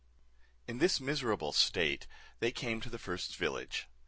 In this miserable state they came to the first village.